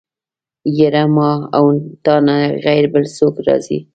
يره ما او تانه غير بل څوک راځي.